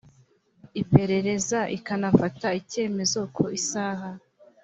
iperereza ikanafata icyemezo ku isaba